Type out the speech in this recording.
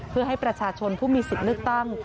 เพื่อให้ประชาชนผู้มีสิทธิ์เลือกตั้ง